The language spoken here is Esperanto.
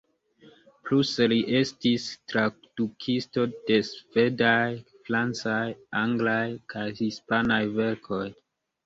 Pluse li estis tradukisto de svedaj, francaj, anglaj kaj hispanaj verkoj.